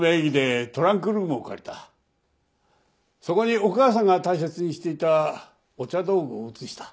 そこにお母さんが大切にしていたお茶道具を移した。